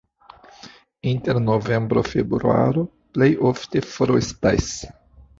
Inter novembro-februaro plej ofte frostas.